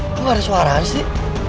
kok gak ada suara sih